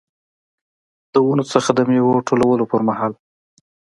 د ونو څخه د میوو ټولولو پرمهال.